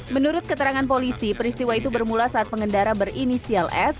menurut keterangan polisi peristiwa itu bermula saat pengendara berinisial s